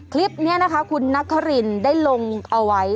คลิปนี้นะคะคุณนักครินได้ลงเอาไว้